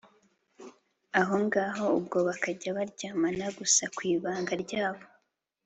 ahongaho ubwo bakajya baryamana gusa kwibanga ryabo